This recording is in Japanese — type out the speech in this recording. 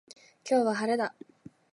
今日は晴れだ